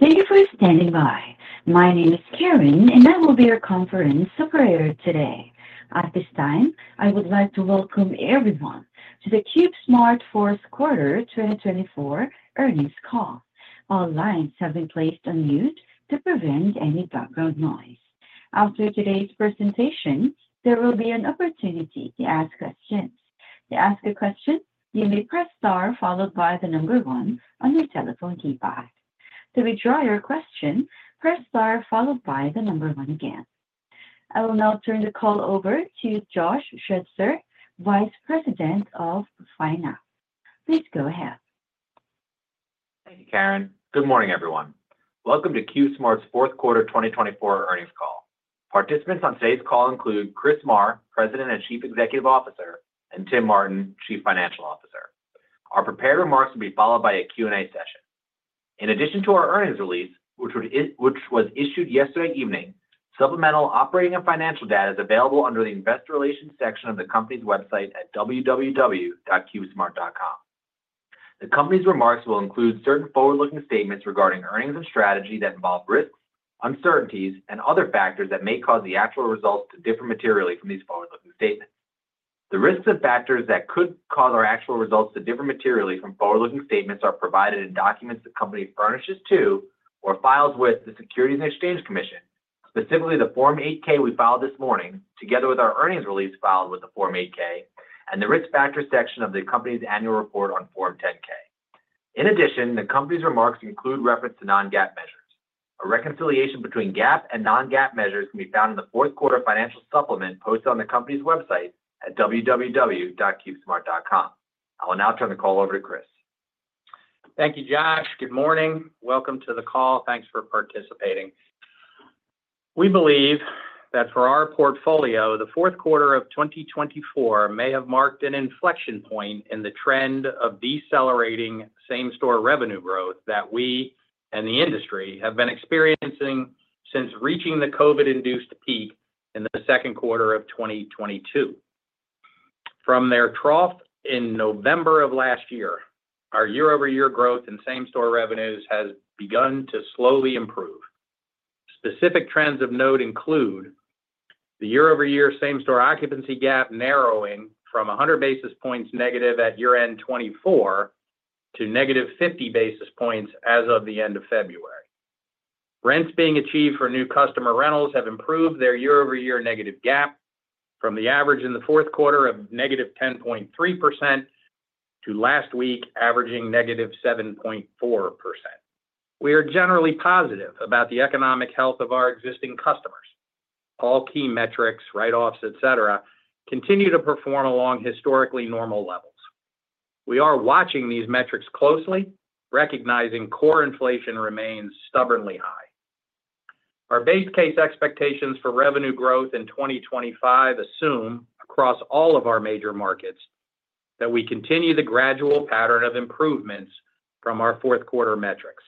Thank you for standing by. My name is Karen, and I will be your conference operator today. At this time, I would like to welcome everyone to the CubeSmart 4th Quarter 2024 earnings call. All lines have been placed on mute to prevent any background noise. After today's presentation, there will be an opportunity to ask questions. To ask a question, you may press star followed by the number one on your telephone keypad. To withdraw your question, press star followed by the number one again. I will now turn the call over to Josh Schutzer, Vice President of Finance. Please go ahead. Thank you, Karen. Good morning, everyone. Welcome to CubeSmart's 4th Quarter 2024 earnings call. Participants on today's call include Chris Marr, President and Chief Executive Officer, and Tim Martin, Chief Financial Officer. Our prepared remarks will be followed by a Q&A session. In addition to our earnings release, which was issued yesterday evening, supplemental operating and financial data is available under the Investor Relations section of the company's website at www.cubesmart.com. The company's remarks will include certain forward-looking statements regarding earnings and strategy that involve risks, uncertainties, and other factors that may cause the actual results to differ materially from these forward-looking statements. The risks and factors that could cause our actual results to differ materially from forward-looking statements are provided in documents the company furnishes to or files with the Securities and Exchange Commission, specifically the Form 8-K we filed this morning, together with our earnings release filed with the Form 8-K, and the risk factor section of the company's annual report on Form 10-K. In addition, the company's remarks include reference to non-GAAP measures. A reconciliation between GAAP and non-GAAP measures can be found in the 4th Quarter financial supplement posted on the company's website at www.cubesmart.com. I will now turn the call over to Chris. Thank you, Josh. Good morning. Welcome to the call. Thanks for participating. We believe that for our portfolio, the 4th Quarter of 2024 may have marked an inflection point in the trend of decelerating same-store revenue growth that we and the industry have been experiencing since reaching the COVID-induced peak in the 2nd Quarter of 2022. From their trough in November of last year, our year-over-year growth in same-store revenues has begun to slowly improve. Specific trends of note include the year-over-year same-store occupancy gap narrowing from 100 basis points negative at year-end 2024 to negative 50 basis points as of the end of February. Rents being achieved for new customer rentals have improved their year-over-year negative gap from the average in the 4th Quarter of negative 10.3% to last week averaging negative 7.4%. We are generally positive about the economic health of our existing customers. All key metrics, write-offs, etc, continue to perform along historically normal levels. We are watching these metrics closely, recognizing core inflation remains stubbornly high. Our base case expectations for revenue growth in 2025 assume, across all of our major markets, that we continue the gradual pattern of improvements from our 4th Quarter metrics.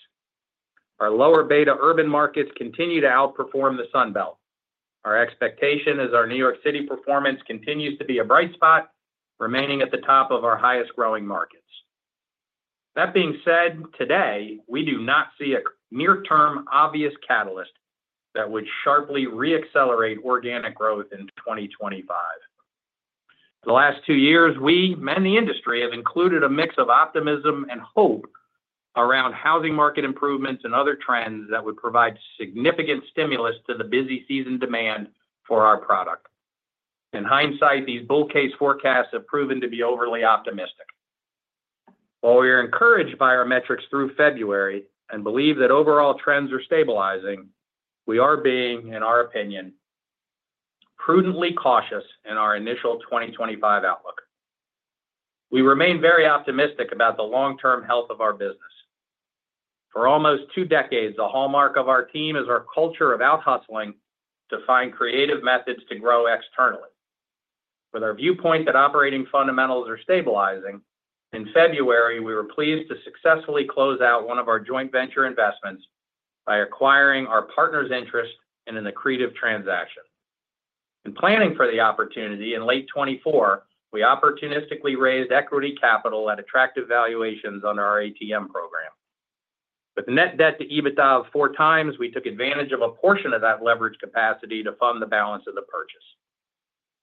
Our lower beta urban markets continue to outperform the Sun Belt. Our expectation is our New York City performance continues to be a bright spot, remaining at the top of our highest-growing markets. That being said, today, we do not see a near-term obvious catalyst that would sharply re-accelerate organic growth in 2025. The last two years, we and the industry have included a mix of optimism and hope around housing market improvements and other trends that would provide significant stimulus to the busy season demand for our product. In hindsight, these bull case forecasts have proven to be overly optimistic. While we are encouraged by our metrics through February and believe that overall trends are stabilizing, we are being, in our opinion, prudently cautious in our initial 2025 outlook. We remain very optimistic about the long-term health of our business. For almost two decades, a hallmark of our team is our culture of out-hustling to find creative methods to grow externally. With our viewpoint that operating fundamentals are stabilizing, in February, we were pleased to successfully close out one of our joint venture investments by acquiring our partner's interest in a creative transaction. In planning for the opportunity in late 2024, we opportunistically raised equity capital at attractive valuations under our ATM program. With net debt to EBITDA of four times, we took advantage of a portion of that leveraged capacity to fund the balance of the purchase.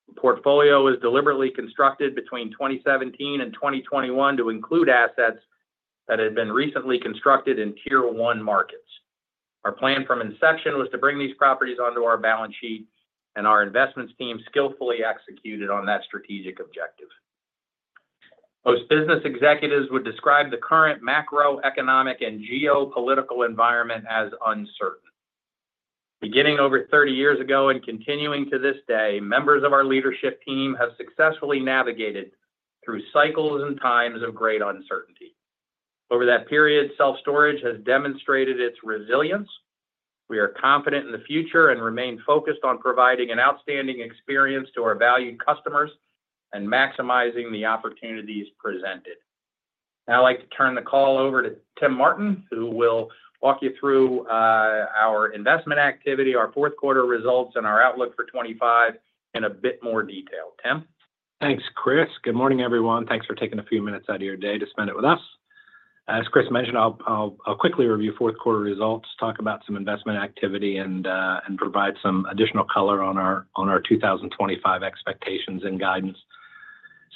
The portfolio was deliberately constructed between 2017 and 2021 to include assets that had been recently constructed in Tier 1 markets. Our plan from inception was to bring these properties onto our balance sheet, and our investments team skillfully executed on that strategic objective. Most business executives would describe the current macroeconomic and geopolitical environment as uncertain. Beginning over 30 years ago and continuing to this day, members of our leadership team have successfully navigated through cycles and times of great uncertainty. Over that period, self-storage has demonstrated its resilience. We are confident in the future and remain focused on providing an outstanding experience to our valued customers and maximizing the opportunities presented. Now, I'd like to turn the call over to Tim Martin, who will walk you through our investment activity, our 4th Quarter results, and our outlook for 2025 in a bit more detail. Tim? Thanks, Chris. Good morning, everyone. Thanks for taking a few minutes out of your day to spend it with us. As Chris mentioned, I'll quickly review 4th Quarter results, talk about some investment activity, and provide some additional color on our 2025 expectations and guidance.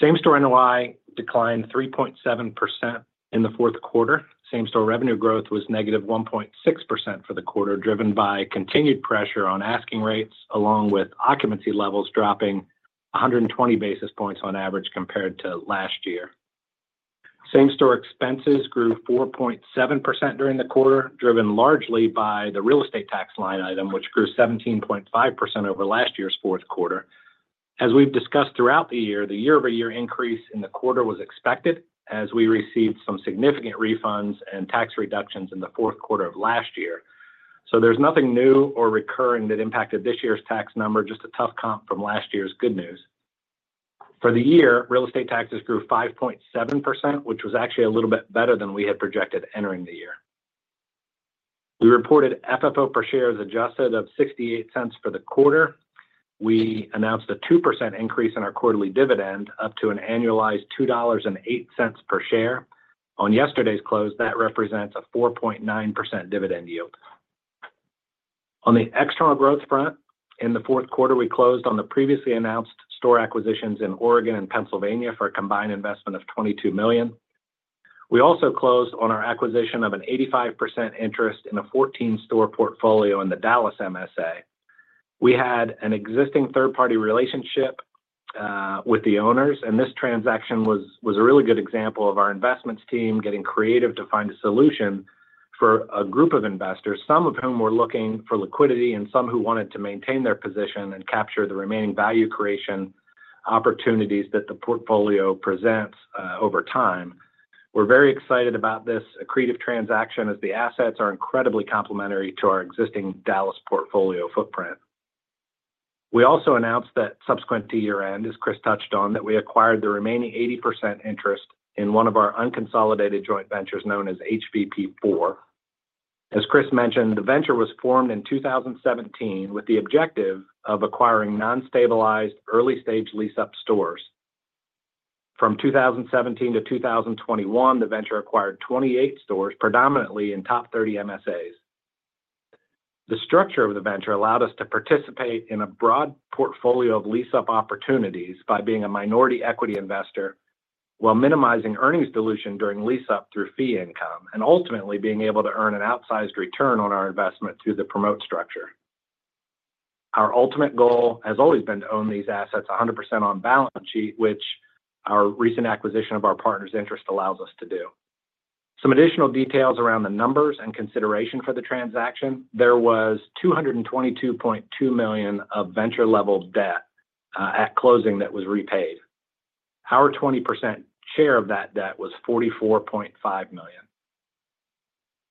Same-store NOI declined 3.7% in the 4th Quarter. Same-store revenue growth was negative 1.6% for the quarter, driven by continued pressure on asking rates, along with occupancy levels dropping 120 basis points on average compared to last year. Same-store expenses grew 4.7% during the quarter, driven largely by the real estate tax line item, which grew 17.5% over last year's 4th Quarter. As we've discussed throughout the year, the year-over-year increase in the quarter was expected, as we received some significant refunds and tax reductions in the 4th Quarter of last year. There's nothing new or recurring that impacted this year's tax number, just a tough comp from last year's good news. For the year, real estate taxes grew 5.7%, which was actually a little bit better than we had projected entering the year. We reported FFO per share as adjusted of $0.68 for the quarter. We announced a 2% increase in our quarterly dividend, up to an annualized $2.08 per share. On yesterday's close, that represents a 4.9% dividend yield. On the external growth front, in the 4th Quarter, we closed on the previously announced store acquisitions in Oregon and Pennsylvania for a combined investment of $22 million. We also closed on our acquisition of an 85% interest in a 14-store portfolio in the Dallas MSA. We had an existing third-party relationship with the owners, and this transaction was a really good example of our investments team getting creative to find a solution for a group of investors, some of whom were looking for liquidity and some who wanted to maintain their position and capture the remaining value creation opportunities that the portfolio presents over time. We're very excited about this accretive transaction, as the assets are incredibly complementary to our existing Dallas portfolio footprint. We also announced that subsequent to year-end, as Chris touched on, that we acquired the remaining 80% interest in one of our unconsolidated joint ventures known as HVP IV. As Chris mentioned, the venture was formed in 2017 with the objective of acquiring non-stabilized early-stage lease-up stores. From 2017 to 2021, the venture acquired 28 stores, predominantly in top 30 MSAs. The structure of the venture allowed us to participate in a broad portfolio of lease-up opportunities by being a minority equity investor while minimizing earnings dilution during lease-up through fee income and ultimately being able to earn an outsized return on our investment through the promote structure. Our ultimate goal has always been to own these assets 100% on balance sheet, which our recent acquisition of our partner's interest allows us to do. Some additional details around the numbers and consideration for the transaction: there was $222.2 million of venture-level debt at closing that was repaid. Our 20% share of that debt was $44.5 million.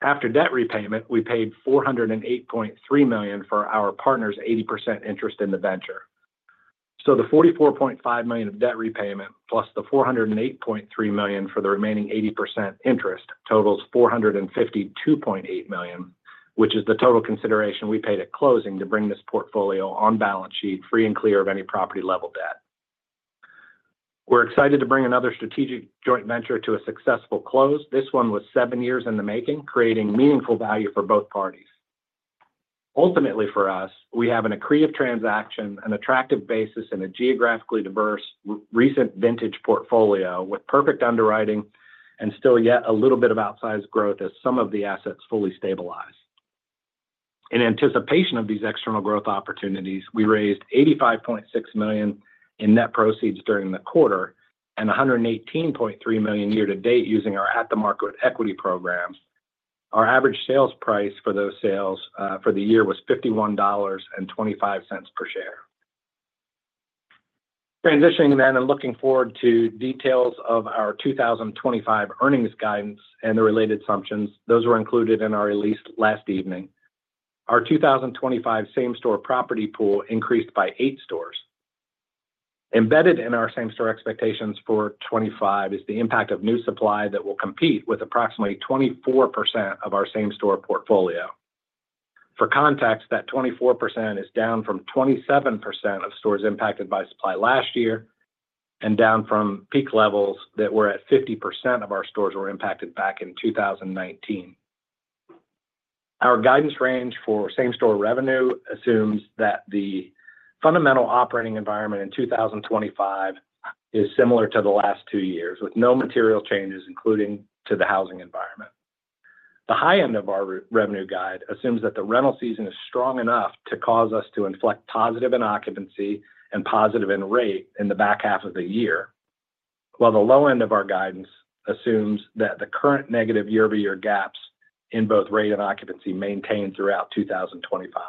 After debt repayment, we paid $408.3 million for our partner's 80% interest in the venture. So, the $44.5 million of debt repayment, plus the $408.3 million for the remaining 80% interest, totals $452.8 million, which is the total consideration we paid at closing to bring this portfolio on balance sheet free and clear of any property-level debt. We're excited to bring another strategic joint venture to a successful close. This one was seven years in the making, creating meaningful value for both parties. Ultimately, for us, we have an accretive transaction, an attractive basis, and a geographically diverse, recent vintage portfolio with perfect underwriting and still yet a little bit of outsized growth as some of the assets fully stabilize. In anticipation of these external growth opportunities, we raised $85.6 million in net proceeds during the quarter and $118.3 million year-to-date using our at-the-market equity programs. Our average sales price for those sales for the year was $51.25 per share. Transitioning then and looking forward to details of our 2025 earnings guidance and the related assumptions, those were included in our release last evening. Our 2025 Same-store property pool increased by eight stores. Embedded in our same-store expectations for 2025 is the impact of new supply that will compete with approximately 24% of our Same-store portfolio. For context, that 24% is down from 27% of stores impacted by supply last year and down from peak levels that were at 50% of our stores were impacted back in 2019. Our guidance range for Same-store revenue assumes that the fundamental operating environment in 2025 is similar to the last two years, with no material changes, including to the housing environment. The high end of our revenue guide assumes that the rental season is strong enough to cause us to inflect positive in occupancy and positive in rate in the back half of the year, while the low end of our guidance assumes that the current negative year-over-year gaps in both rate and occupancy maintain throughout 2025.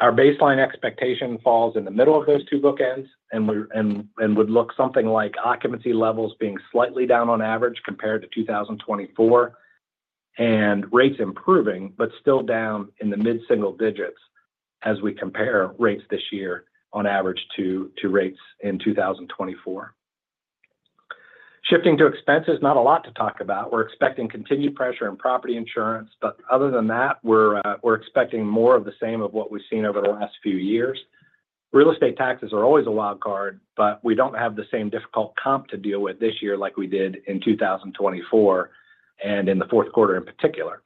Our baseline expectation falls in the middle of those two bookends and would look something like occupancy levels being slightly down on average compared to 2024 and rates improving, but still down in the mid-single digits as we compare rates this year on average to rates in 2024. Shifting to expenses, not a lot to talk about. We're expecting continued pressure in property insurance, but other than that, we're expecting more of the same of what we've seen over the last few years. Real estate taxes are always a wild card, but we don't have the same difficult comp to deal with this year like we did in 2024 and in the 4th Quarter in particular.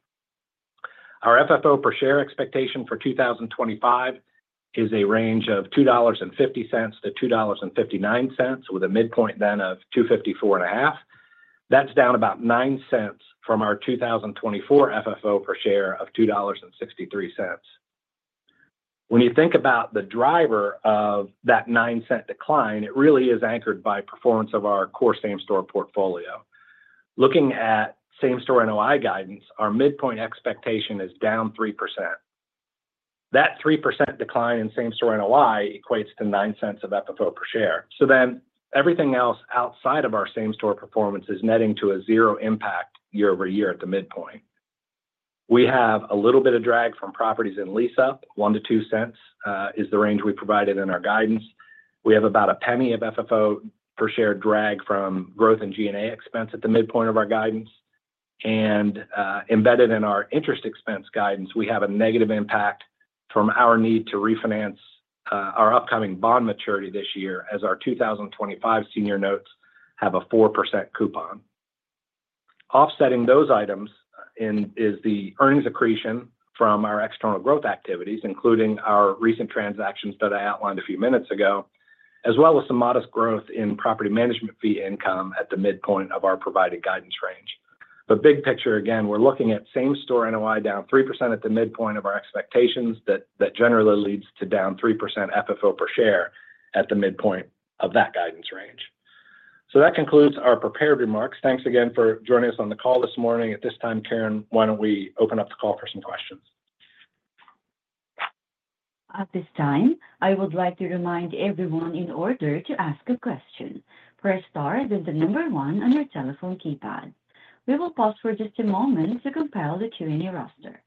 Our FFO per share expectation for 2025 is a range of $2.50-$2.59, with a midpoint then of $2.545. That's down about $0.09 from our 2024 FFO per share of $2.63. When you think about the driver of that $0.09 decline, it really is anchored by performance of our core Same-store portfolio. Looking at same-store NOI guidance, our midpoint expectation is down 3%. That 3% decline in Same-store NOI equates to $0.09 of FFO per share. So then everything else outside of our same-store performance is netting to a zero impact year-over-year at the midpoint. We have a little bit of drag from properties in lease-up. $0.01-$0.02 is the range we provided in our guidance. We have about $0.01 of FFO per share drag from growth in G&A expense at the midpoint of our guidance. And embedded in our interest expense guidance, we have a negative impact from our need to refinance our upcoming bond maturity this year, as our 2025 Senior Notes have a 4% coupon. Offsetting those items is the earnings accretion from our external growth activities, including our recent transactions that I outlined a few minutes ago, as well as some modest growth in property management fee income at the midpoint of our provided guidance range. But big picture, again, we're looking at Same-store NOI down 3% at the midpoint of our expectations that generally leads to down 3% FFO per share at the midpoint of that guidance range. So that concludes our prepared remarks. Thanks again for joining us on the call this morning. At this time, Karen, why don't we open up the call for some questions? At this time, I would like to remind everyone, in order to ask a question, press star and then the number one on your telephone keypad. We will pause for just a moment to compile the Q&A roster.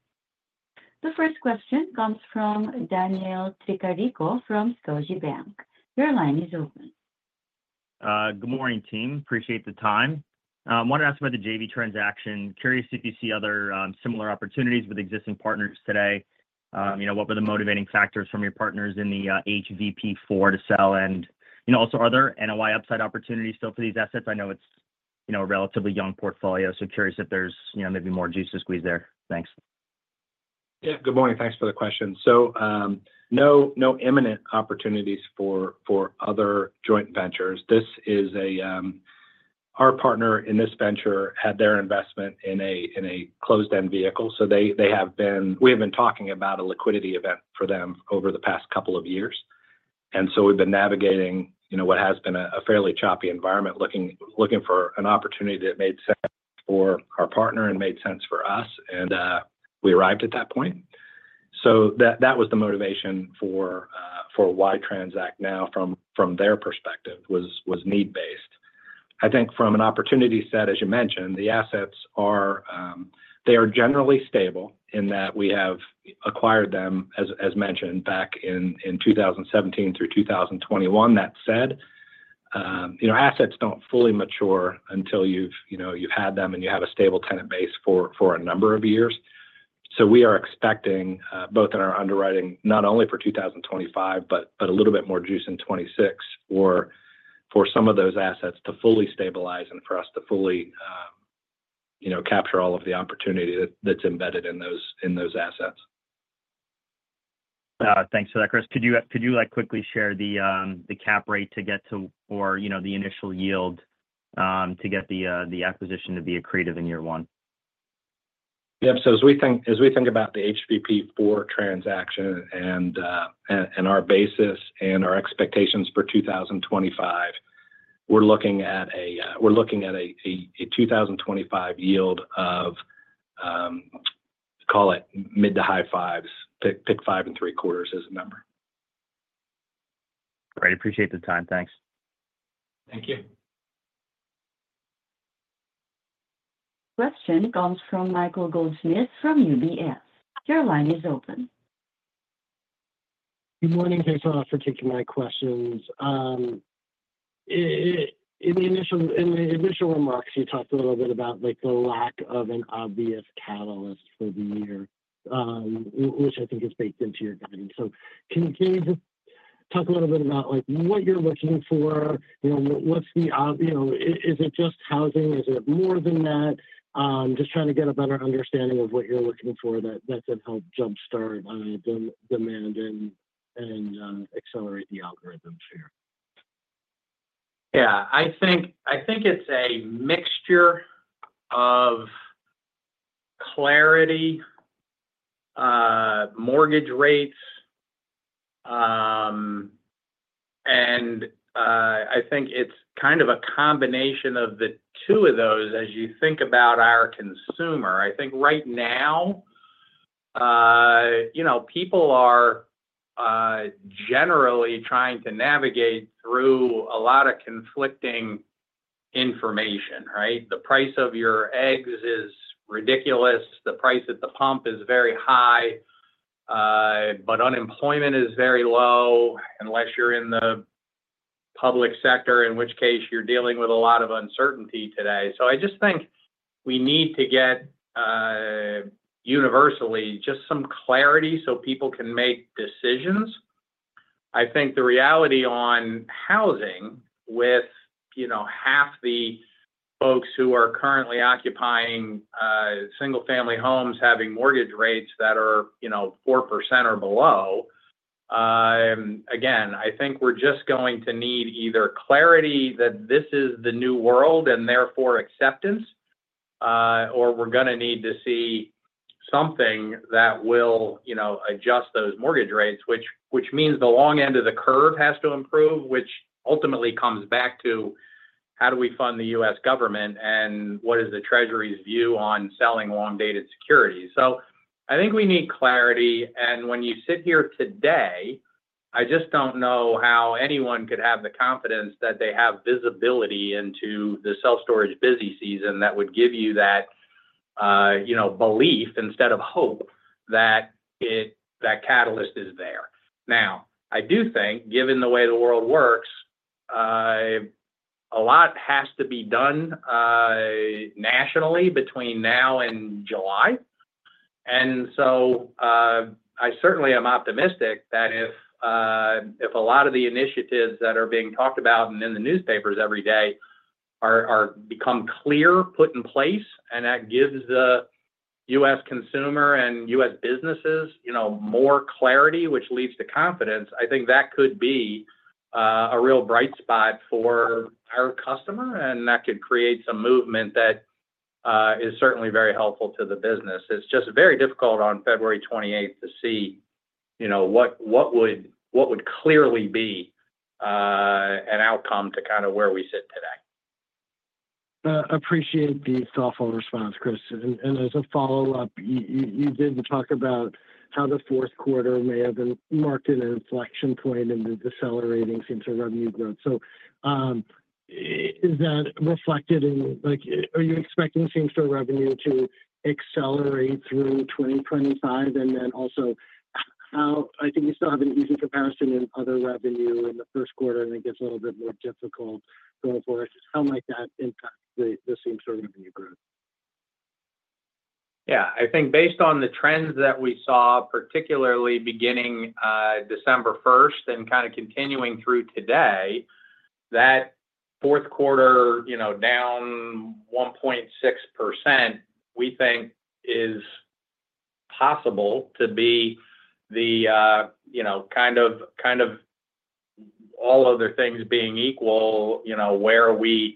The first question comes from Daniel Tricarico from Scotiabank. Your line is open. Good morning, team. Appreciate the time. I wanted to ask about the JV transaction. Curious if you see other similar opportunities with existing partners today. What were the motivating factors from your partners in the HVP IV to sell? And also, are there NOI upside opportunities still for these assets? I know it's a relatively young portfolio, so curious if there's maybe more juice to squeeze there. Thanks. Yeah, good morning. Thanks for the question, so no imminent opportunities for other joint ventures. Our partner in this venture had their investment in a closed-end vehicle, so we have been talking about a liquidity event for them over the past couple of years, and so we've been navigating what has been a fairly choppy environment, looking for an opportunity that made sense for our partner and made sense for us, and we arrived at that point, so that was the motivation for why Transact Now, from their perspective, was need-based. I think from an opportunity set, as you mentioned, the assets, they are generally stable in that we have acquired them, as mentioned, back in 2017 through 2021. That said, assets don't fully mature until you've had them and you have a stable tenant base for a number of years. So we are expecting, both in our underwriting, not only for 2025, but a little bit more juice in 2026 for some of those assets to fully stabilize and for us to fully capture all of the opportunity that's embedded in those assets. Thanks for that, Chris. Could you quickly share the cap rate to get to, or the initial yield to get the acquisition to be accretive in year one? Yeah, so as we think about the HVP IV transaction and our basis and our expectations for 2025, we're looking at a 2025 yield of, call it, mid- to high-fives. Pick five and three quarters as a number. Great. Appreciate the time. Thanks. Thank you. Question comes from Michael Goldsmith from UBS. Your line is open. Good morning,. Thanks for taking my questions. In the initial remarks, you talked a little bit about the lack of an obvious catalyst for the year, which I think is baked into your vision. So can you talk a little bit about what you're looking for? What's the? Is it just housing? Is it more than that? Just trying to get a better understanding of what you're looking for that can help jump-start demand and accelerate the algorithms here. Yeah. I think it's a mixture of clarity, mortgage rates, and I think it's kind of a combination of the two of those. As you think about our consumer, I think right now, people are generally trying to navigate through a lot of conflicting information, right? The price of your eggs is ridiculous. The price at the pump is very high, but unemployment is very low unless you're in the public sector, in which case you're dealing with a lot of uncertainty today. So I just think we need to get universally just some clarity so people can make decisions. I think the reality on housing with half the folks who are currently occupying single-family homes having mortgage rates that are 4% or below, again, I think we're just going to need either clarity that this is the new world and therefore acceptance, or we're going to need to see something that will adjust those mortgage rates, which means the long end of the curve has to improve, which ultimately comes back to how do we fund the U.S. government and what is the Treasury's view on selling long-dated securities. So I think we need clarity. And when you sit here today, I just don't know how anyone could have the confidence that they have visibility into the self-storage busy season that would give you that belief instead of hope that that catalyst is there. Now, I do think, given the way the world works, a lot has to be done nationally between now and July. And so I certainly am optimistic that if a lot of the initiatives that are being talked about and in the newspapers every day become clear, put in place, and that gives the U.S. consumer and U.S. businesses more clarity, which leads to confidence, I think that could be a real bright spot for our customer, and that could create some movement that is certainly very helpful to the business. It's just very difficult on February 28th to see what would clearly be an outcome to kind of where we sit today. Appreciate the thoughtful response, Chris. And as a follow-up, you did talk about how the 4th Quarter may have been marked an inflection point, and the sell rate and same-store revenue growth. So, is that reflected in? Are you expecting same-store revenue to accelerate through 2025? And then also, I think you still have an easy comparison in other revenue in the 1st Quarter, and it gets a little bit more difficult going forward. How might that impact the same-store revenue growth? Yeah. I think based on the trends that we saw, particularly beginning December 1st and kind of continuing through today, that 4th Quarter down 1.6%, we think, is possible to be the kind of all other things being equal, where we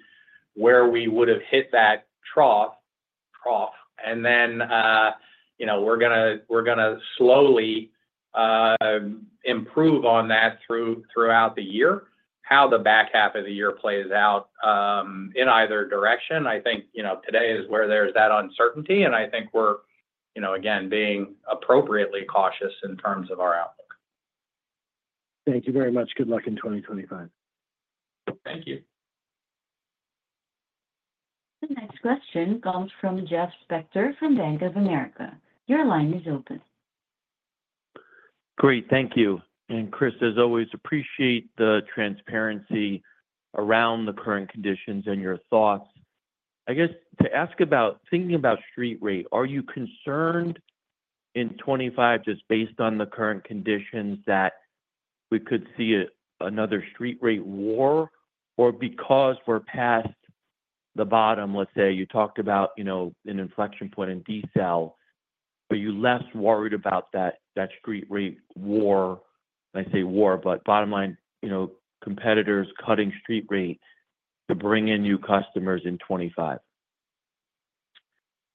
would have hit that trough, and then we're going to slowly improve on that throughout the year. How the back half of the year plays out in either direction, I think today is where there's that uncertainty, and I think we're, again, being appropriately cautious in terms of our outlook. Thank you very much. Good luck in 2025. Thank you. The next question comes from Jeff Spector from Bank of America. Your line is open. Great. Thank you. And Chris, as always, appreciate the transparency around the current conditions and your thoughts. I guess to ask about thinking about street rate, are you concerned in 2025 just based on the current conditions that we could see another street rate war, or because we're past the bottom? Let's say you talked about an inflection point in DOGE, but you're less worried about that street rate war. I say war, but bottom line, competitors cutting street rate to bring in new customers in 2025.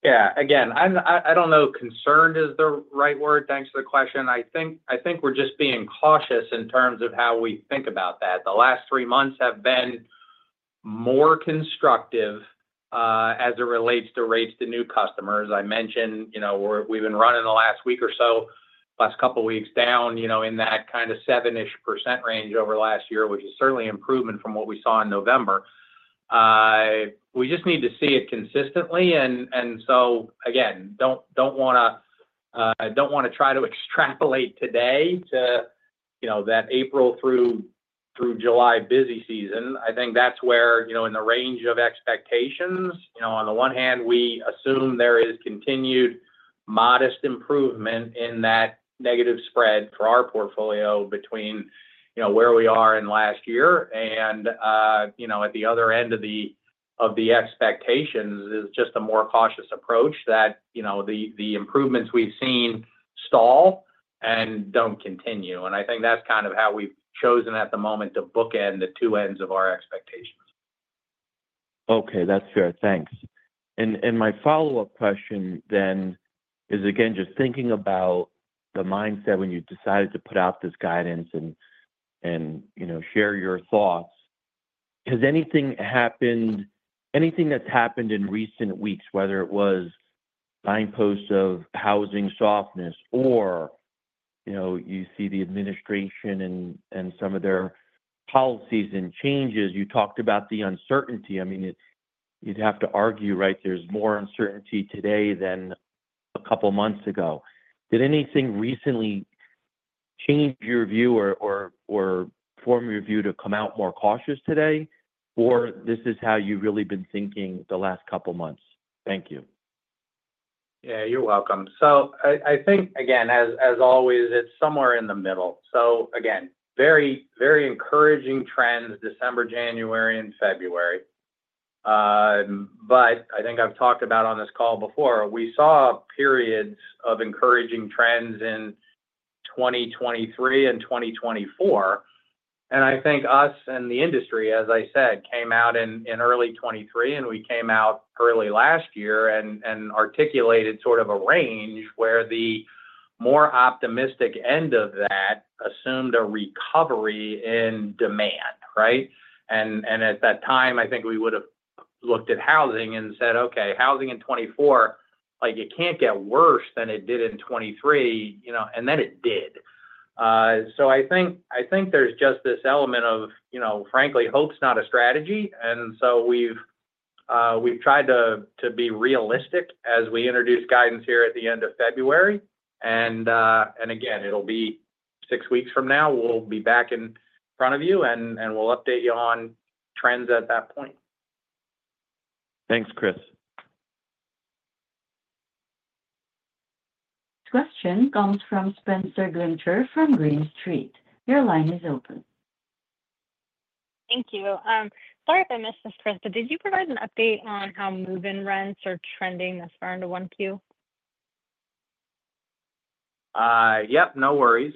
Yeah. Again, I don't know if concerned is the right word. Thanks for the question. I think we're just being cautious in terms of how we think about that. The last three months have been more constructive as it relates to rates to new customers. I mentioned we've been running the last week or so, last couple of weeks down in that kind of 7-ish% range over last year, which is certainly an improvement from what we saw in November. We just need to see it consistently. And so again, don't want to try to extrapolate today to that April through July busy season. I think that's where in the range of expectations. On the one hand, we assume there is continued modest improvement in that negative spread for our portfolio between where we are in last year, and at the other end of the expectations is just a more cautious approach that the improvements we've seen stall and don't continue, and I think that's kind of how we've chosen at the moment to bookend the two ends of our expectations. Okay. That's fair. Thanks. And my follow-up question then is, again, just thinking about the mindset when you decided to put out this guidance and share your thoughts, has anything happened? Anything that's happened in recent weeks, whether it was signposts of housing softness or you see the administration and some of their policies and changes, you talked about the uncertainty. I mean, you'd have to argue, right? There's more uncertainty today than a couple of months ago. Did anything recently change your view or form your view to come out more cautious today, or this is how you've really been thinking the last couple of months? Thank you. Yeah. You're welcome. So I think, again, as always, it's somewhere in the middle. So again, very encouraging trends, December, January, and February. But I think I've talked about on this call before, we saw periods of encouraging trends in 2023 and 2024. And I think us and the industry, as I said, came out in early 2023, and we came out early last year and articulated sort of a range where the more optimistic end of that assumed a recovery in demand, right? And at that time, I think we would have looked at housing and said, "Okay, housing in 2024, it can't get worse than it did in 2023," and then it did. So I think there's just this element of, frankly, hope's not a strategy. And so we've tried to be realistic as we introduce guidance here at the end of February. And again, it'll be six weeks from now, we'll be back in front of you, and we'll update you on trends at that point. Thanks, Chris. Next question comes from Spencer Glincher from Green Street. Your line is open. Thank you. Sorry if I missed this, Chris, but did you provide an update on how move-in rents are trending this far into 1Q? Yep. No worries.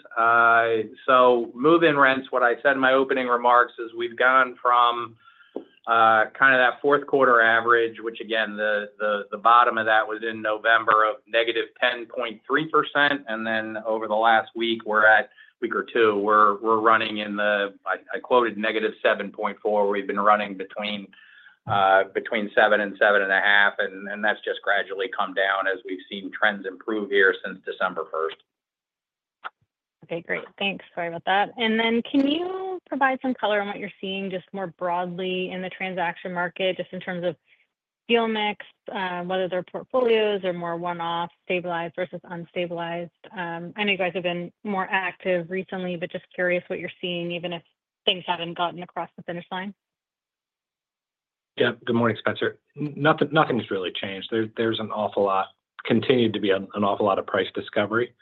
So, move-in rents. What I said in my opening remarks is we've gone from kind of that 4th Quarter average, which again, the bottom of that was in November of negative 10.3%. And then over the last week or two, I quoted negative 7.4%. We've been running between 7% and 7.5%, and that's just gradually come down as we've seen trends improve here since December 1st. Okay. Great. Thanks. Sorry about that. And then can you provide some color on what you're seeing just more broadly in the transaction market, just in terms of deal mix, whether they're portfolios or more one-off stabilized versus unstabilized? I know you guys have been more active recently, but just curious what you're seeing even if things haven't gotten across the finish line. Yep. Good morning, Spencer. Nothing's really changed. There's an awful lot continued to be an awful lot of price discovery.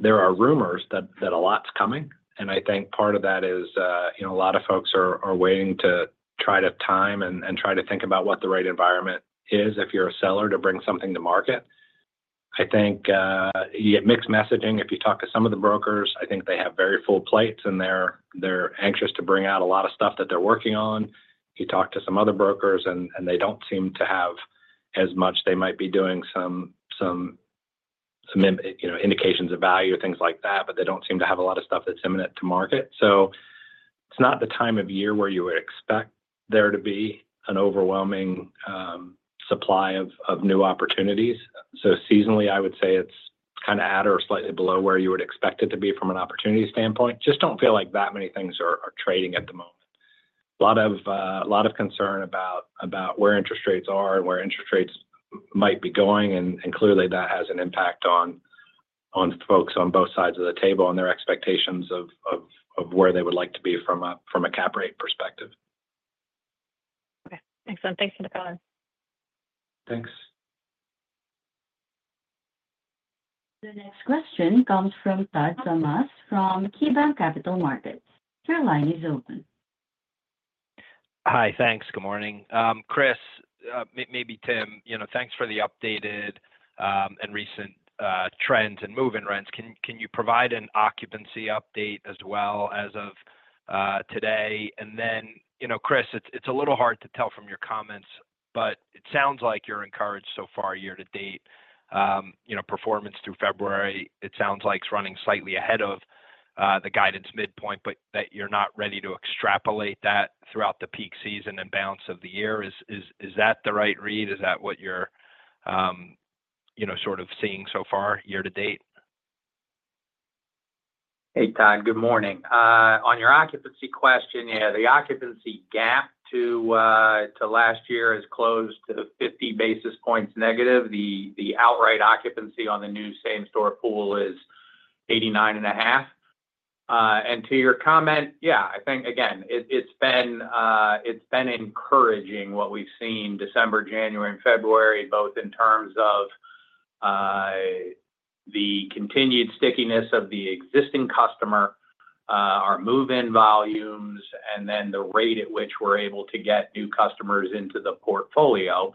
There are rumors that a lot's coming. And I think part of that is a lot of folks are waiting to try to time and try to think about what the right environment is if you're a seller to bring something to market. I think you get mixed messaging if you talk to some of the brokers. I think they have very full plates, and they're anxious to bring out a lot of stuff that they're working on. You talk to some other brokers, and they don't seem to have as much. They might be doing some indications of value or things like that, but they don't seem to have a lot of stuff that's imminent to market. So it's not the time of year where you would expect there to be an overwhelming supply of new opportunities. So seasonally, I would say it's kind of at or slightly below where you would expect it to be from an opportunity standpoint. Just don't feel like that many things are trading at the moment. A lot of concern about where interest rates are and where interest rates might be going. And clearly, that has an impact on folks on both sides of the table and their expectations of where they would like to be from a cap rate perspective. Okay. Excellent. Thanks for the call. Thanks. The next question comes from Todd Thomas from KeyBank Capital Markets. Your line is open. Hi. Thanks. Good morning. Chris, maybe Tim, thanks for the updated and recent trends in move-in rents. Can you provide an occupancy update as well as of today? And then, Chris, it's a little hard to tell from your comments, but it sounds like you're encouraged so far year to date. Performance through February, it sounds like it's running slightly ahead of the guidance midpoint, but that you're not ready to extrapolate that throughout the peak season and balance of the year. Is that the right read? Is that what you're sort of seeing so far year to date? Hey, Todd, good morning. On your occupancy question, yeah, the occupancy gap to last year has closed to 50 basis points negative. The outright occupancy on the new Same-store pool is 89.5. And to your comment, yeah, I think, again, it's been encouraging what we've seen December, January, and February, both in terms of the continued stickiness of the existing customer, our move-in volumes, and then the rate at which we're able to get new customers into the portfolio.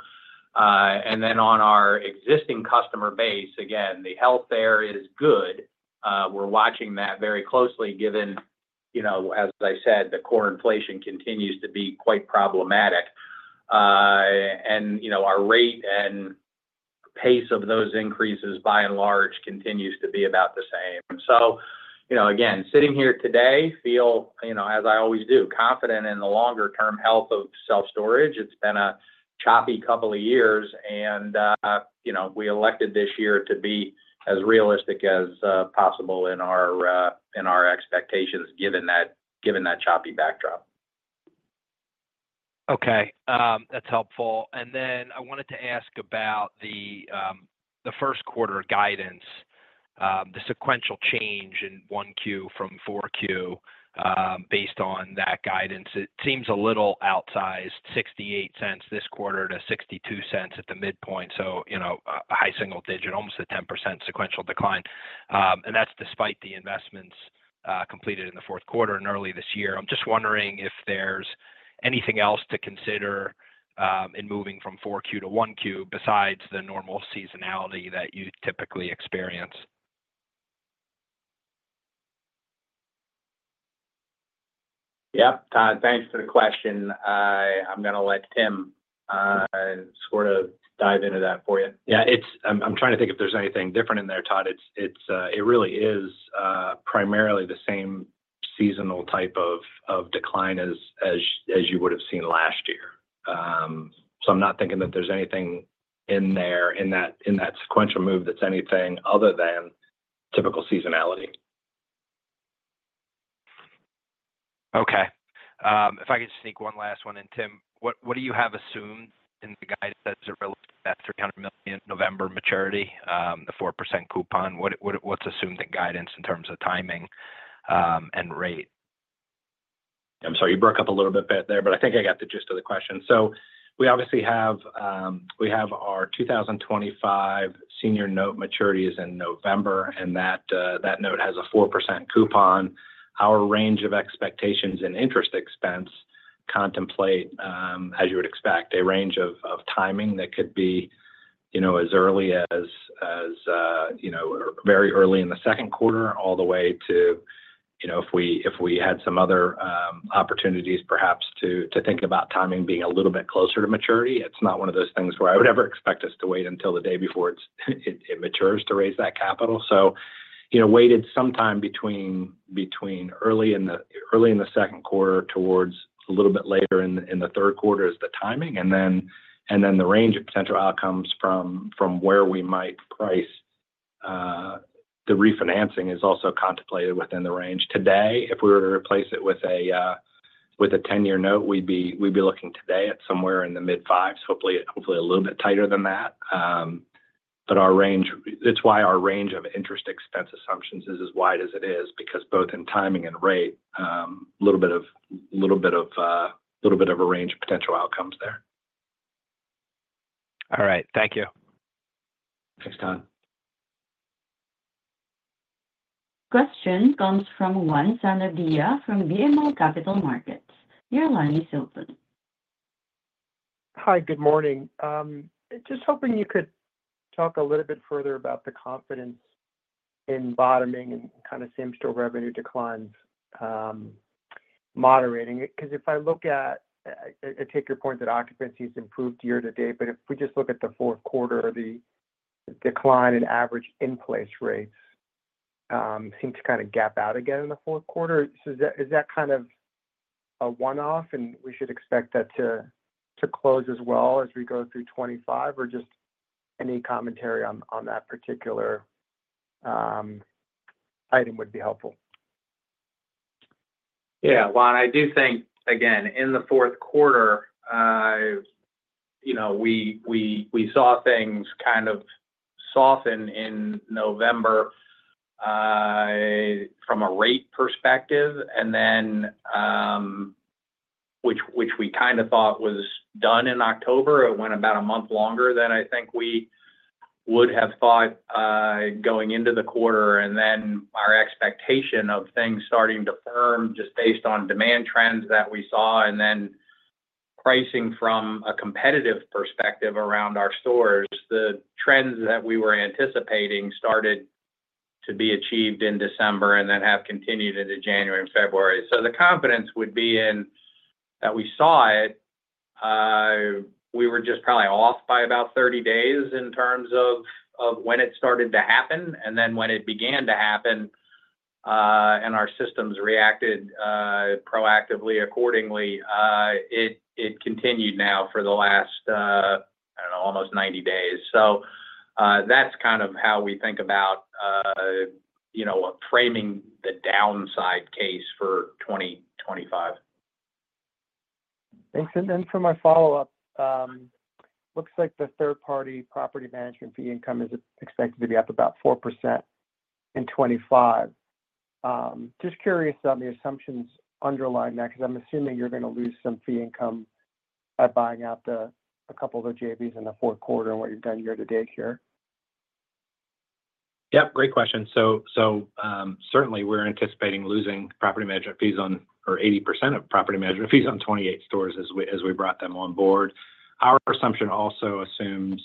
And then on our existing customer base, again, the health there is good. We're watching that very closely given, as I said, the core inflation continues to be quite problematic. And our rate and pace of those increases, by and large, continues to be about the same. So again, sitting here today, feel, as I always do, confident in the longer-term health of self-storage. It's been a choppy couple of years, and we elected this year to be as realistic as possible in our expectations given that choppy backdrop. Okay. That's helpful. And then I wanted to ask about the first quarter guidance, the sequential change in 1Q from 4Q based on that guidance. It seems a little outsized, $0.68 this quarter to $0.62 at the midpoint, so a high single digit, almost a 10% sequential decline. And that's despite the investments completed in the fourth quarter and early this year. I'm just wondering if there's anything else to consider in moving from 4Q to 1Q besides the normal seasonality that you typically experience. Yep. Todd, thanks for the question. I'm going to let Tim sort of dive into that for you. Yeah. I'm trying to think if there's anything different in there, Todd. It really is primarily the same seasonal type of decline as you would have seen last year. So I'm not thinking that there's anything in there in that sequential move that's anything other than typical seasonality. Okay. If I could sneak one last one in, Tim, what do you have assumed in the guidance as it relates to that $300 million November maturity, the 4% coupon? What's assumed in guidance in terms of timing and rate? I'm sorry. You broke up a little bit there, but I think I got the gist of the question. So we obviously have our 2025 senior note maturity is in November, and that note has a 4% coupon. Our range of expectations and interest expense contemplate, as you would expect, a range of timing that could be as early as very early in the second quarter all the way to if we had some other opportunities, perhaps to think about timing being a little bit closer to maturity. It's not one of those things where I would ever expect us to wait until the day before it matures to raise that capital. So waited sometime between early in the second quarter towards a little bit later in the third quarter is the timing. And then the range of potential outcomes from where we might price the refinancing is also contemplated within the range. Today, if we were to replace it with a 10-year note, we'd be looking today at somewhere in the mid-5s, hopefully a little bit tighter than that. But that's why our range of interest expense assumptions is as wide as it is because both in timing and rate, a little bit of a range of potential outcomes there. All right. Thank you. Thanks, Todd. Question comes from Juan Sanabia from BMO Capital Markets. Your line is open. Hi. Good morning. Just hoping you could talk a little bit further about the confidence in bottoming and kind of same-store revenue declines moderating it. Because if I look at, I take your point that occupancy has improved year to date, but if we just look at the fourth quarter, the decline in average in-place rates seem to kind of gap out again in the fourth quarter. Is that kind of a one-off, and we should expect that to close as well as we go through 2025? Or just any commentary on that particular item would be helpful. Yeah. Well, I do think, again, in the fourth quarter, we saw things kind of soften in November from a rate perspective, which we kind of thought was done in October. It went about a month longer than I think we would have thought going into the quarter. And then our expectation of things starting to firm just based on demand trends that we saw, and then pricing from a competitive perspective around our stores, the trends that we were anticipating started to be achieved in December and then have continued into January and February. So the confidence would be in that we saw it. We were just probably off by about 30 days in terms of when it started to happen. And then when it began to happen and our systems reacted proactively accordingly, it continued now for the last, I don't know, almost 90 days. So that's kind of how we think about framing the downside case for 2025. Thanks. And then for my follow-up, looks like the third-party property management fee income is expected to be up about 4% in 2025. Just curious on the assumptions underlying that because I'm assuming you're going to lose some fee income by buying out a couple of JVs in the fourth quarter and what you've done year to date here. Yep. Great question. So certainly, we're anticipating losing property management fees on, or 80% of property management fees on 28 stores as we brought them on board. Our assumption also assumes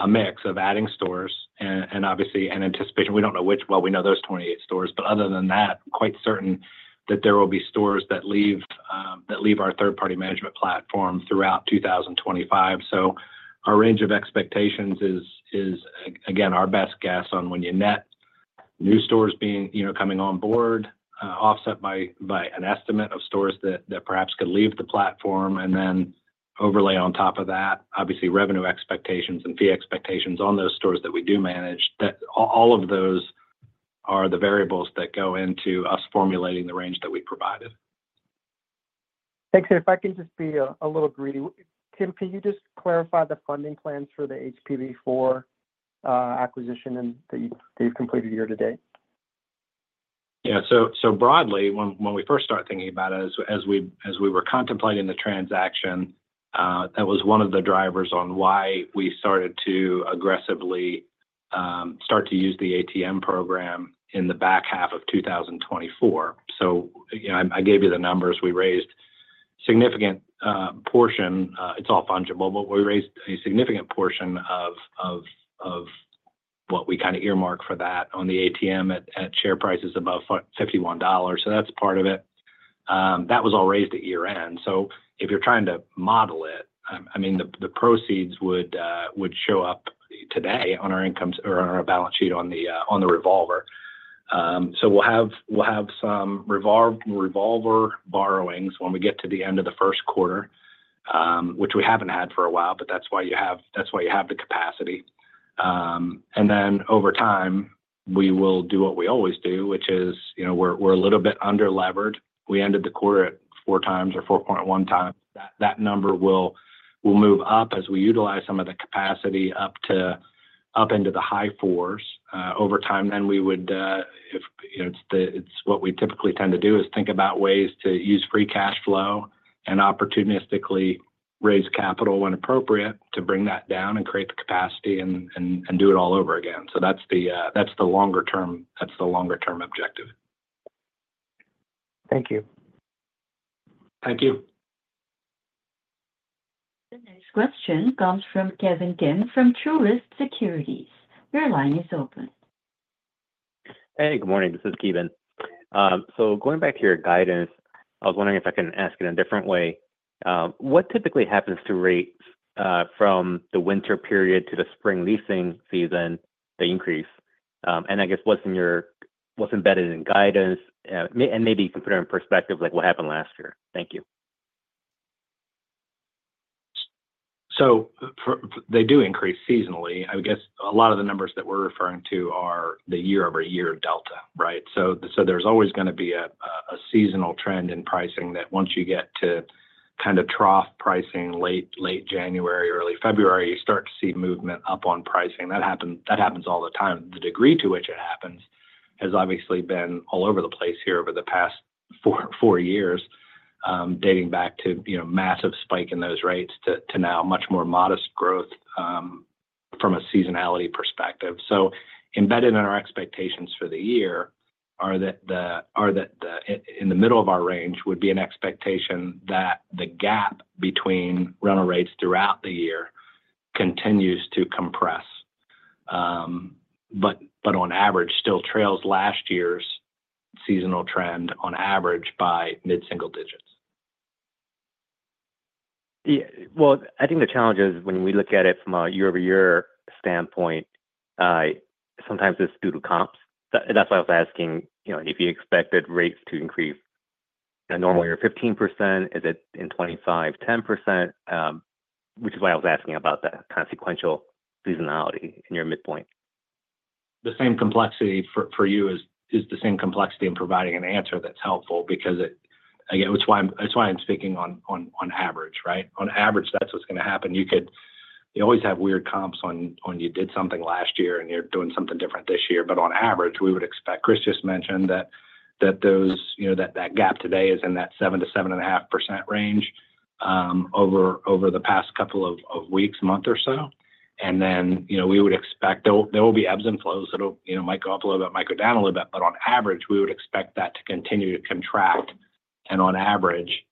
a mix of adding stores and obviously an anticipation. We don't know which. Well, we know those 28 stores. But other than that, quite certain that there will be stores that leave our third-party management platform throughout 2025. So our range of expectations is, again, our best guess on when you net new stores coming on board, offset by an estimate of stores that perhaps could leave the platform, and then overlay on top of that, obviously, revenue expectations and fee expectations on those stores that we do manage. All of those are the variables that go into us formulating the range that we provided. Thanks. And if I can just be a little greedy, Tim, can you just clarify the funding plans for the HVP IV acquisition that you've completed year to date? Yeah. So broadly, when we first started thinking about it, as we were contemplating the transaction, that was one of the drivers on why we started to aggressively start to use the ATM program in the back half of 2024. So I gave you the numbers. We raised a significant portion. It's all fungible, but we raised a significant portion of what we kind of earmarked for that on the ATM at share prices above $51. So that's part of it. That was all raised at year-end. So if you're trying to model it, I mean, the proceeds would show up today on our income or on our balance sheet on the revolver. So we'll have some revolver borrowings when we get to the end of the first quarter, which we haven't had for a while, but that's why you have the capacity. And then over time, we will do what we always do, which is we're a little bit under-levered. We ended the quarter at four times or 4.1 times. That number will move up as we utilize some of the capacity up into the high fours. Over time, then we would. It's what we typically tend to do, is think about ways to use free cash flow and opportunistically raise capital when appropriate to bring that down and create the capacity and do it all over again. So that's the longer-term objective. Thank you. Thank you. The next question comes from Ki Bin Kim from Truist Securities. Your line is open. Hey, good morning. This is Ki Bin. So going back to your guidance, I was wondering if I can ask it in a different way. What typically happens to rates from the winter period to the spring leasing season? The increase. And I guess what's embedded in guidance? And maybe you can put it in perspective like what happened last year. Thank you. So they do increase seasonally. I guess a lot of the numbers that we're referring to are the year-over-year delta, right? So there's always going to be a seasonal trend in pricing that once you get to kind of trough pricing late January, early February, you start to see movement up on pricing. That happens all the time. The degree to which it happens has obviously been all over the place here over the past four years, dating back to massive spike in those rates to now much more modest growth from a seasonality perspective. So embedded in our expectations for the year are that in the middle of our range would be an expectation that the gap between rental rates throughout the year continues to compress, but on average, still trails last year's seasonal trend on average by mid-single digits. I think the challenge is when we look at it from a year-over-year standpoint, sometimes it's due to comps. That's why I was asking if you expected rates to increase in a normal year 15%, is it in 2025 10%? Which is why I was asking about that kind of sequential seasonality in your midpoint. The same complexity for you is the same complexity in providing an answer that's helpful because it's why I'm speaking on average, right? On average, that's what's going to happen. You always have weird comps on you did something last year and you're doing something different this year. But on average, we would expect, Chris just mentioned, that that gap today is in that 7%-7.5% range over the past couple of weeks, month or so. We would expect there will be ebbs and flows. It might go up a little bit, might go down a little bit. But on average, we would expect that to continue to contract. On average,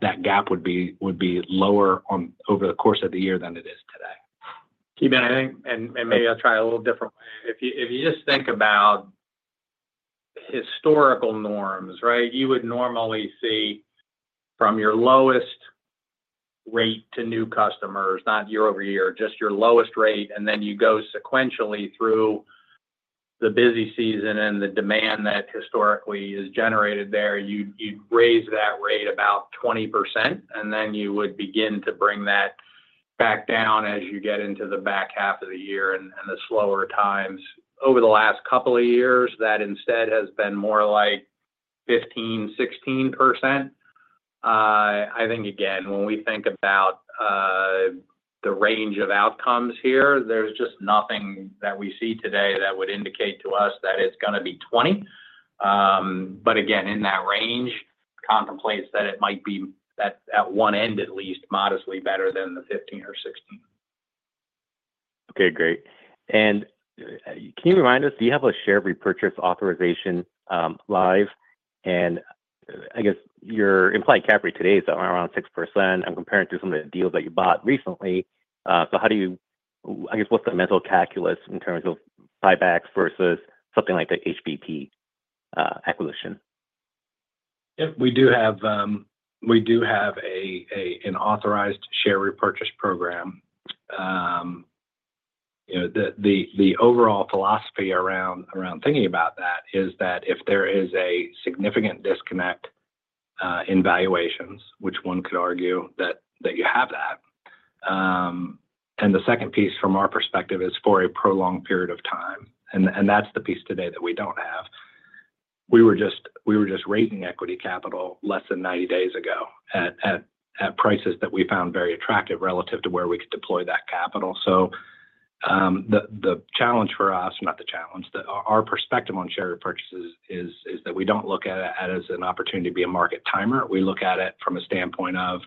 that gap would be lower over the course of the year than it is today. Ki Bin, and maybe I'll try a little different way. If you just think about historical norms, right, you would normally see from your lowest rate to new customers, not year over year, just your lowest rate, and then you go sequentially through the busy season and the demand that historically is generated there, you'd raise that rate about 20%, and then you would begin to bring that back down as you get into the back half of the year and the slower times. Over the last couple of years, that instead has been more like 15%-16%. I think, again, when we think about the range of outcomes here, there's just nothing that we see today that would indicate to us that it's going to be 20. But again, in that range, contemplates that it might be at one end at least modestly better than the 15 or 16. Okay. Great. And can you remind us, do you have a share repurchase authorization live? And I guess your implied cap rate today is around 6%. I'm comparing it to some of the deals that you bought recently. So how do you, I guess, what's the mental calculus in terms of buybacks versus something like the HVP acquisition? Yeah. We do have an authorized share repurchase program. The overall philosophy around thinking about that is that if there is a significant disconnect in valuations, which one could argue that you have that. And the second piece from our perspective is for a prolonged period of time. And that's the piece today that we don't have. We were just raising equity capital less than 90 days ago at prices that we found very attractive relative to where we could deploy that capital. So the challenge for us, not the challenge, our perspective on share repurchases is that we don't look at it as an opportunity to be a market timer. We look at it from a standpoint of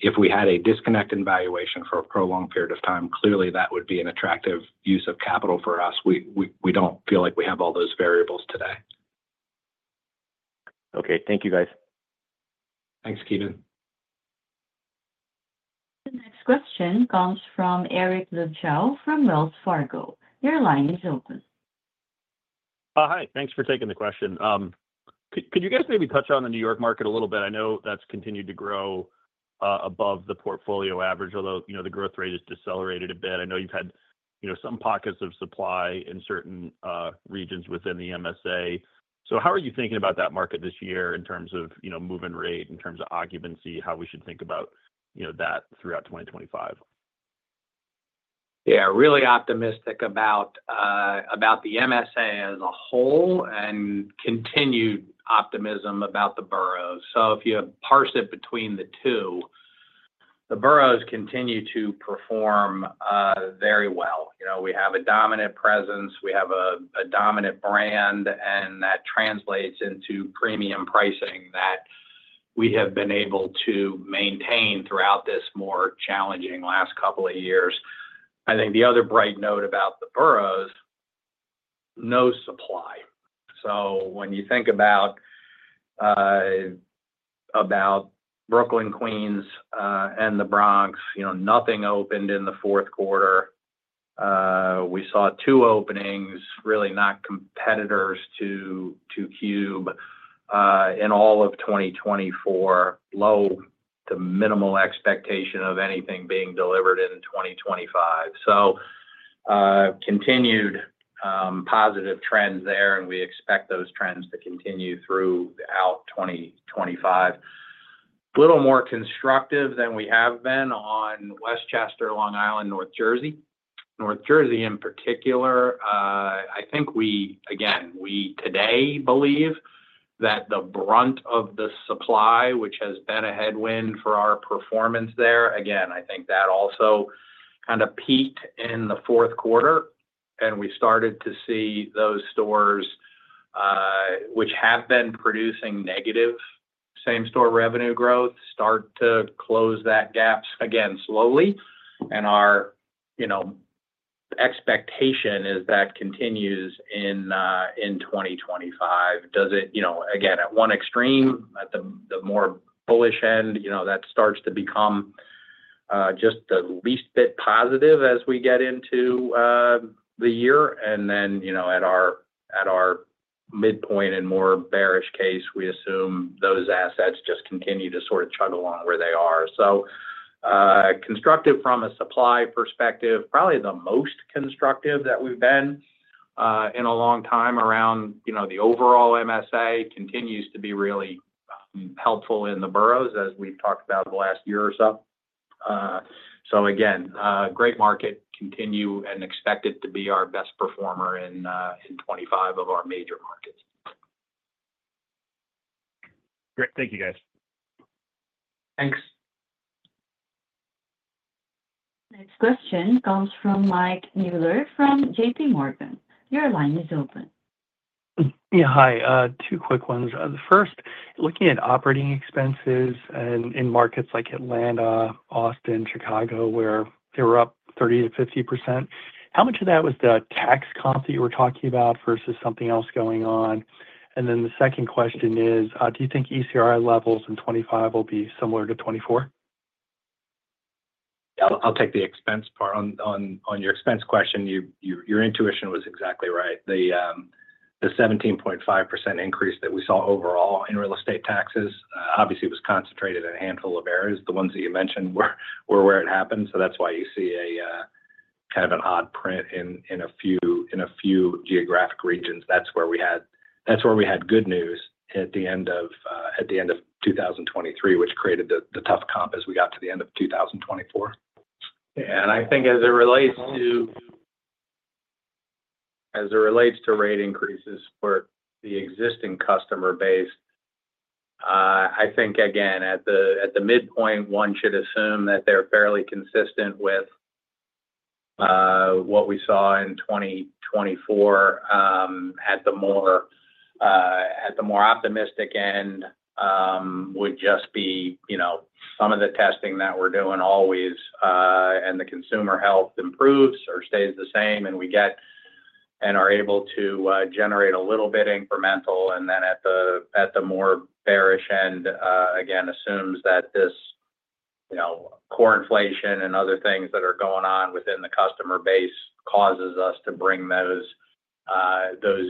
if we had a disconnect in valuation for a prolonged period of time, clearly that would be an attractive use of capital for us. We don't feel like we have all those variables today. Okay. Thank you, guys. Thanks, Ki Bin. The next question comes from Eric Luechow from Wells Fargo. Your line is open. Hi. Thanks for taking the question. Could you guys maybe touch on the New York market a little bit? I know that's continued to grow above the portfolio average, although the growth rate has decelerated a bit. I know you've had some pockets of supply in certain regions within the MSA. So how are you thinking about that market this year in terms of moving rate, in terms of occupancy, how we should think about that throughout 2025? Yeah. Really optimistic about the MSA as a whole and continued optimism about the boroughs. So if you parse it between the two, the boroughs continue to perform very well. We have a dominant presence. We have a dominant brand, and that translates into premium pricing that we have been able to maintain throughout this more challenging last couple of years. I think the other bright note about the boroughs, no supply. So when you think about Brooklyn, Queens, and The Bronx, nothing opened in the fourth quarter. We saw two openings, really not competitors to Cube in all of 2024, low to minimal expectation of anything being delivered in 2025. So continued positive trends there, and we expect those trends to continue throughout 2025. A little more constructive than we have been on Westchester, Long Island, North Jersey. North Jersey in particular, I think we, again, we today believe that the brunt of the supply, which has been a headwind for our performance there, again, I think that also kind of peaked in the fourth quarter. And we started to see those stores, which have been producing negative same-store revenue growth, start to close that gap again slowly. And our expectation is that continues in 2025. Does it, again, at one extreme, at the more bullish end, that starts to become just the least bit positive as we get into the year? And then at our midpoint and more bearish case, we assume those assets just continue to sort of chug along where they are. Constructive from a supply perspective, probably the most constructive that we've been in a long time around the overall MSA continues to be really helpful in the boroughs as we've talked about the last year or so. Again, great market, continue and expect it to be our best performer in 2025 of our major markets. Great. Thank you, guys. Thanks. The next question comes from Michael Mueller from JPMorgan. Your line is open. Yeah. Hi. Two quick ones. The first, looking at operating expenses in markets like Atlanta, Austin, Chicago, where they were up 30%-50%, how much of that was the tax comp that you were talking about versus something else going on? And then the second question is, do you think ECRI levels in 2025 will be similar to 2024? Yeah. I'll take the expense part. On your expense question, your intuition was exactly right. The 17.5% increase that we saw overall in real estate taxes obviously was concentrated in a handful of areas. The ones that you mentioned were where it happened. So that's why you see kind of an odd print in a few geographic regions. That's where we had good news at the end of 2023, which created the tough comp as we got to the end of 2024. I think as it relates to rate increases for the existing customer base, I think, again, at the midpoint, one should assume that they're fairly consistent with what we saw in 2024. At the more optimistic end, would just be some of the testing that we're doing always and the consumer health improves or stays the same, and we get and are able to generate a little bit incremental. At the more bearish end, again, assumes that this core inflation and other things that are going on within the customer base causes us to bring those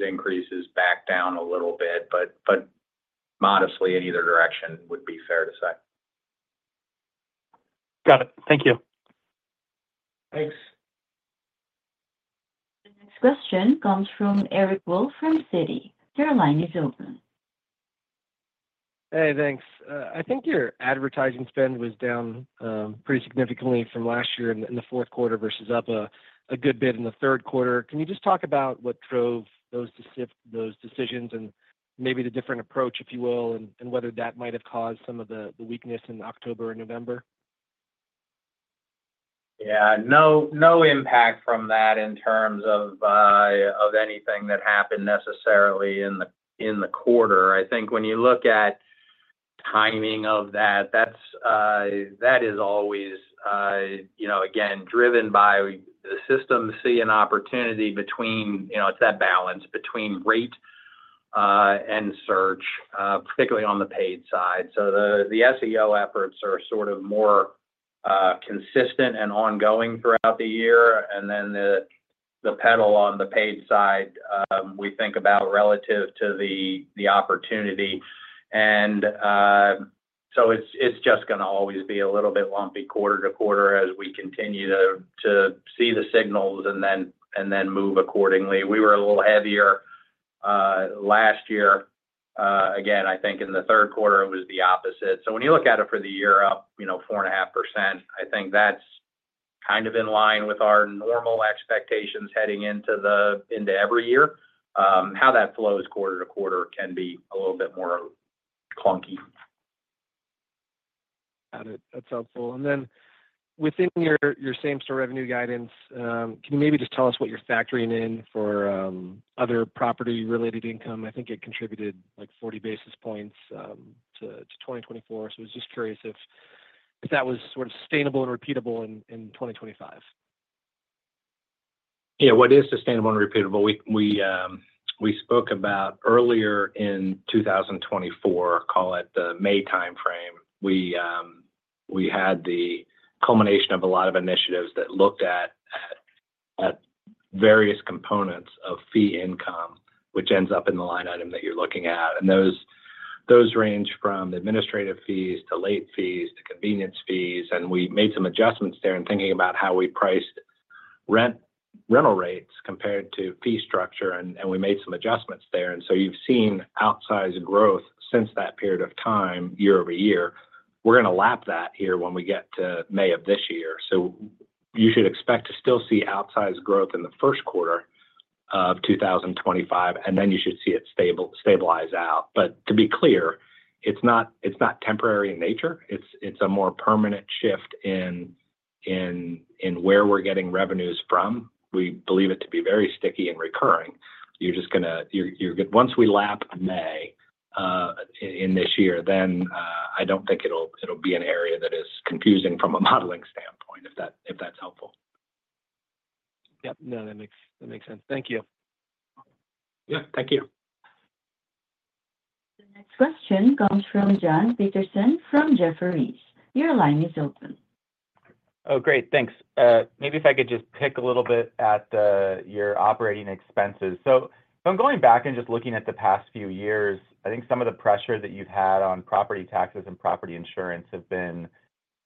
increases back down a little bit. Modestly in either direction would be fair to say. Got it. Thank you. Thanks. The next question comes from Eric Wolfe from Citi. Your line is open. Hey, thanks. I think your advertising spend was down pretty significantly from last year in the fourth quarter versus up a good bit in the third quarter. Can you just talk about what drove those decisions and maybe the different approach, if you will, and whether that might have caused some of the weakness in October or November? Yeah. No impact from that in terms of anything that happened necessarily in the quarter. I think when you look at timing of that, that is always, again, driven by the system seeing opportunity between it's that balance between rate and search, particularly on the paid side. So the SEO efforts are sort of more consistent and ongoing throughout the year. And then the pedal on the paid side, we think about relative to the opportunity. And so it's just going to always be a little bit lumpy quarter to quarter as we continue to see the signals and then move accordingly. We were a little heavier last year. Again, I think in the third quarter, it was the opposite. So when you look at it for the year up 4.5%, I think that's kind of in line with our normal expectations heading into every year. How that flows quarter to quarter can be a little bit more clunky. Got it. That's helpful. And then within your same-store revenue guidance, can you maybe just tell us what you're factoring in for other property-related income? I think it contributed like 40 basis points to 2024. So I was just curious if that was sort of sustainable and repeatable in 2025. Yeah. What is sustainable and repeatable? We spoke about earlier in 2024, call it the May timeframe. We had the culmination of a lot of initiatives that looked at various components of fee income, which ends up in the line item that you're looking at, and those range from administrative fees to late fees to convenience fees, and we made some adjustments there in thinking about how we priced rental rates compared to fee structure, and we made some adjustments there, and so you've seen outsized growth since that period of time, year over year. We're going to lap that here when we get to May of this year, so you should expect to still see outsized growth in the first quarter of 2025, and then you should see it stabilize out, but to be clear, it's not temporary in nature. It's a more permanent shift in where we're getting revenues from. We believe it to be very sticky and recurring. You're just going to, once we lap May in this year, then I don't think it'll be an area that is confusing from a modeling standpoint, if that's helpful. Yep. No, that makes sense. Thank you. Yeah. Thank you. The next question comes from John Petersen from Jefferies. Your line is open. Oh, great. Thanks. Maybe if I could just pick a little bit at your operating expenses. So if I'm going back and just looking at the past few years, I think some of the pressure that you've had on property taxes and property insurance have been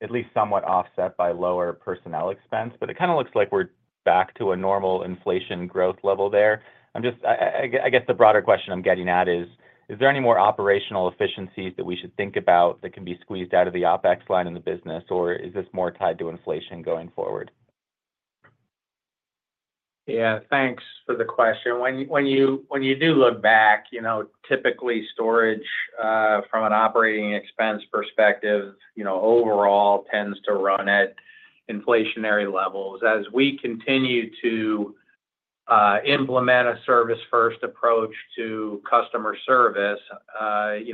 at least somewhat offset by lower personnel expense. But it kind of looks like we're back to a normal inflation growth level there. I guess the broader question I'm getting at is, is there any more operational efficiencies that we should think about that can be squeezed out of the OpEx line in the business, or is this more tied to inflation going forward? Yeah. Thanks for the question. When you do look back, typically storage from an operating expense perspective overall tends to run at inflationary levels. As we continue to implement a service-first approach to customer service,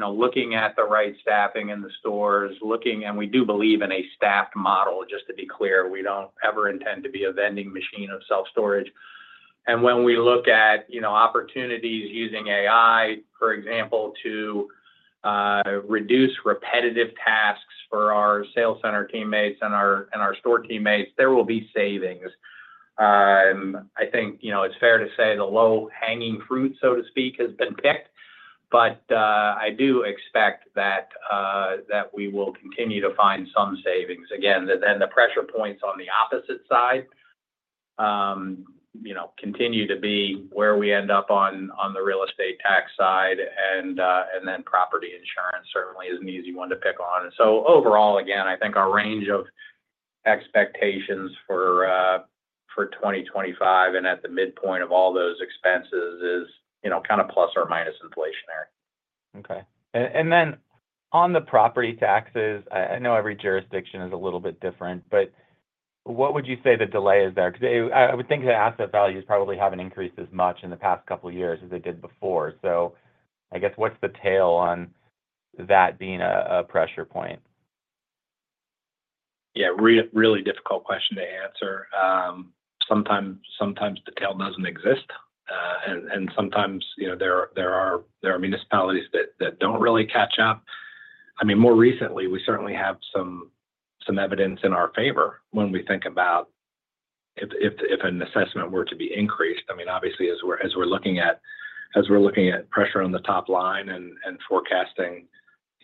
looking at the right staffing in the stores, looking and we do believe in a staffed model, just to be clear. We don't ever intend to be a vending machine of self-storage. And when we look at opportunities using AI, for example, to reduce repetitive tasks for our sales center teammates and our store teammates, there will be savings. I think it's fair to say the low-hanging fruit, so to speak, has been picked. But I do expect that we will continue to find some savings. Again, then the pressure points on the opposite side continue to be where we end up on the real estate tax side. And then property insurance certainly is an easy one to pick on. So overall, again, I think our range of expectations for 2025 and at the midpoint of all those expenses is kind of plus or minus inflationary. Okay. And then on the property taxes, I know every jurisdiction is a little bit different, but what would you say the delay is there? Because I would think the asset values probably haven't increased as much in the past couple of years as they did before. So I guess what's the tale on that being a pressure point? Yeah. Really difficult question to answer. Sometimes the tail doesn't exist. And sometimes there are municipalities that don't really catch up. I mean, more recently, we certainly have some evidence in our favor when we think about if an assessment were to be increased. I mean, obviously, as we're looking at pressure on the top line and forecasting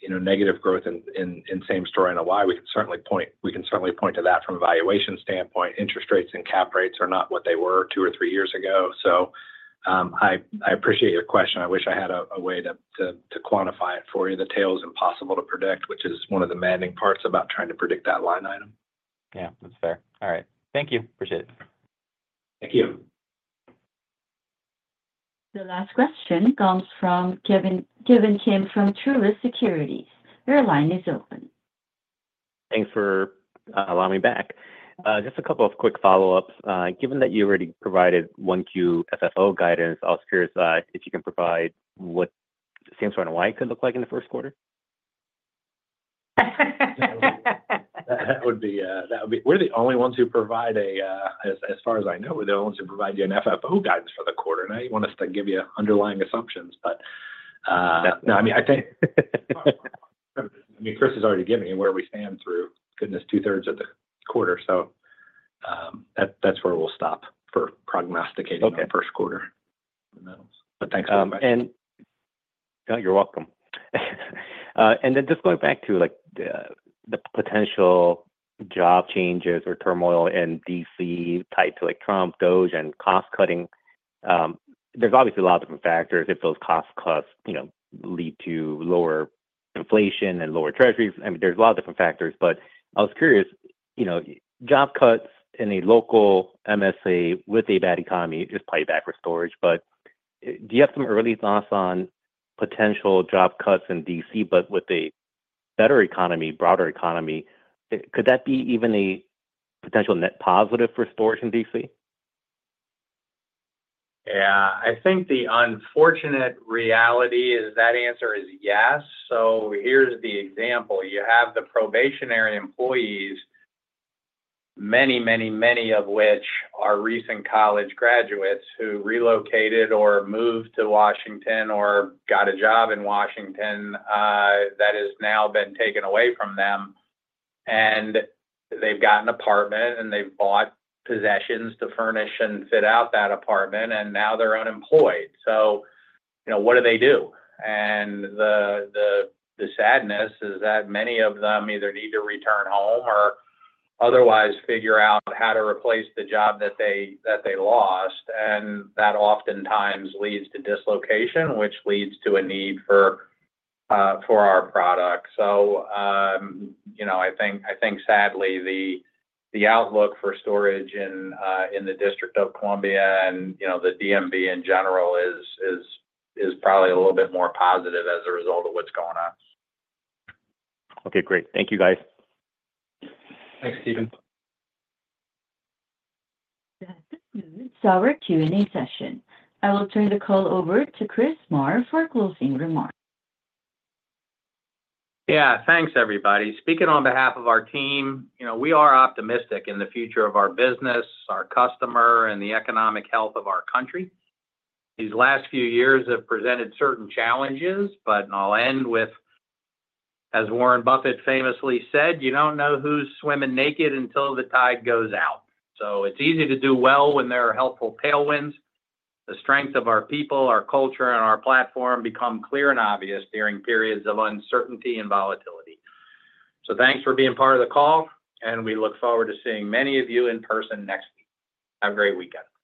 negative growth in Same-store NOI, we can certainly point to that from a valuation standpoint. Interest rates and cap rates are not what they were two or three years ago. So I appreciate your question. I wish I had a way to quantify it for you. The tail is impossible to predict, which is one of the demanding parts about trying to predict that line item. Yeah. That's fair. All right. Thank you. Appreciate it. Thank you. The last question comes from Ki Bin Kim from Truist Securities. Your line is open. Thanks for allowing me back. Just a couple of quick follow-ups. Given that you already provided 1Q FFO guidance, I was curious if you can provide what same-store NOI could look like in the first quarter. That would be, we're the only ones who provide, as far as I know, we're the only ones who provide you an FFO guidance for the quarter. Now, you want us to give you underlying assumptions, but no, I mean, Chris has already given you where we stand through, goodness, two-thirds of the quarter. So that's where we'll stop for prognosticating the first quarter. But thanks. And. You're welcome. And then, just going back to the potential job changes or turmoil in DC tied to Trump, DOGE, and cost-cutting, there's obviously a lot of different factors. If those costs lead to lower inflation and lower treasuries, I mean, there's a lot of different factors. But I was curious. Job cuts in a local MSA with a bad economy just play back for storage. But do you have some early thoughts on potential job cuts in DC, but with a better economy, broader economy? Could that be even a potential net positive for storage in DC? Yeah. I think the unfortunate reality is that answer is yes. So here's the example. You have the probationary employees, many, many, many of which are recent college graduates who relocated or moved to Washington or got a job in Washington that has now been taken away from them. And they've got an apartment, and they've bought possessions to furnish and fit out that apartment, and now they're unemployed. So what do they do? And the sadness is that many of them either need to return home or otherwise figure out how to replace the job that they lost. And that oftentimes leads to dislocation, which leads to a need for our product. So I think, sadly, the outlook for storage in the District of Columbia and the DMV in general is probably a little bit more positive as a result of what's going on. Okay. Great. Thank you, guys. Thanks, Steven. That concludes our Q&A session. I will turn the call over to Chris Marr for closing remarks. Yeah. Thanks, everybody. Speaking on behalf of our team, we are optimistic in the future of our business, our customer, and the economic health of our country. These last few years have presented certain challenges, but I'll end with, as Warren Buffett famously said, "You don't know who's swimming naked until the tide goes out." So it's easy to do well when there are helpful tailwinds. The strength of our people, our culture, and our platform become clear and obvious during periods of uncertainty and volatility. So thanks for being part of the call, and we look forward to seeing many of you in person next week. Have a great weekend.